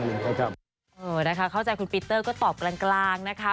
เออนะคะเข้าใจคุณปีเตอร์ก็ตอบกลางนะคะ